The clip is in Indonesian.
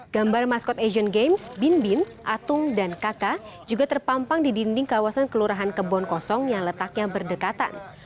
gambar maskot asian games bin bin atung dan kk juga terpampang di dinding kawasan kelurahan kebon kosong yang letaknya berdekatan